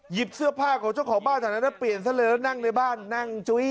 เสื้อผ้าของเจ้าของบ้านแถวนั้นเปลี่ยนซะเลยแล้วนั่งในบ้านนั่งจุ้ย